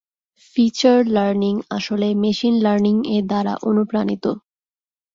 Feature learning আসলে machine learning এর দ্বারা অনুপ্রাণিত।